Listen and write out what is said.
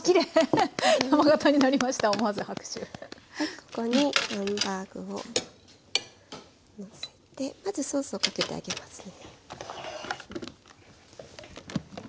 ここにハンバーグをのせてまずソースをかけてあげますね。